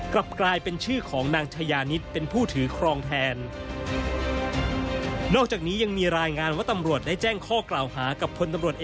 กลับกลายเป็นชื่อของนางชายานิดเป็นผู้ถือครองแทน